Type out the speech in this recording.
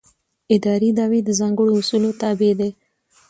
اداري دعوې د ځانګړو اصولو تابع دي.